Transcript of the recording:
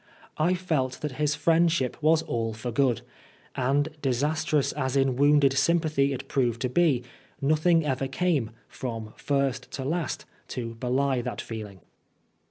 I felt that his friendship was all for good ; and disastrous as in wounded sympathy it proved to be, nothing ever came, from first to last, to belie that feeling.